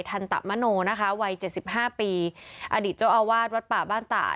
ทันตมโนนะคะวัยเจ็ดสิบห้าปีอดีตเจ้าอาวาสวัดป่าบ้านต่า